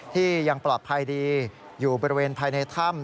ที่ยังปลอดภัยดีอยู่บริเวณภายในถ้ำ